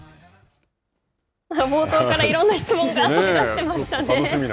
冒頭からいろんな質問が飛び出してましたね。